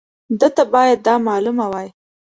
ده ته باید دا معلومه وای.